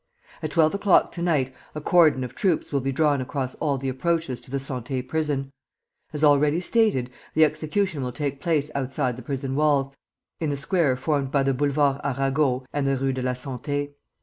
At twelve o'clock to night a cordon of troops will be drawn across all the approaches to the Santé Prison. As already stated, the execution will take place outside the prison walls, in the square formed by the Boulevard Arago and the Rue de la Santé.